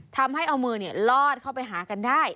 ทำให้เอามือลอดเข้าไปหากันได้